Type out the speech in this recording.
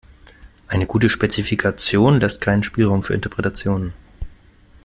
Eine gute Spezifikation lässt keinen Spielraum für Interpretationen.